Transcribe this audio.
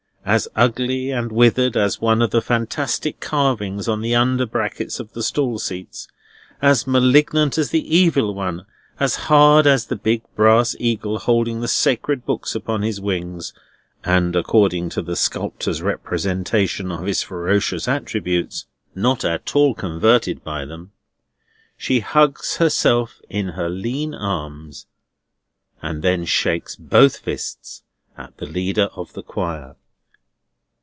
As ugly and withered as one of the fantastic carvings on the under brackets of the stall seats, as malignant as the Evil One, as hard as the big brass eagle holding the sacred books upon his wings (and, according to the sculptor's representation of his ferocious attributes, not at all converted by them), she hugs herself in her lean arms, and then shakes both fists at the leader of the Choir.